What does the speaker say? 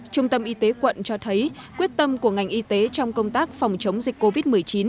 trung tâm y tế quận cho thấy quyết tâm của ngành y tế trong công tác phòng chống dịch covid một mươi chín